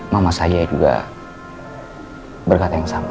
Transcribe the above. mama saya juga berkata yang sama